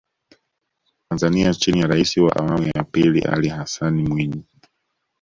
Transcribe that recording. Tanzania chini ya Rais wa awamu ya pili Ali Hassan Mwinyi